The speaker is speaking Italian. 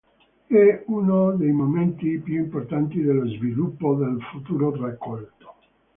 È uno dei momenti più importanti dello sviluppo del futuro raccolto.